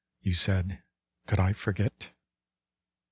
" You said. Could I forget?